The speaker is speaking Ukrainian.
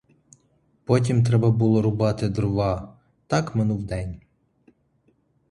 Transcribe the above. Потім треба було рубати дрова — так минув день.